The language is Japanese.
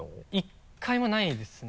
１回もないですね。